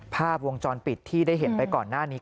ภาพวงจรปิดที่ได้เห็นไปก่อนหน้านี้